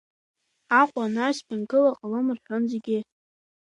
Аҟәа анаҩс ԥынгыла ҟалом рҳәон зегьы.